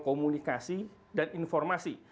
komunikasi dan informasi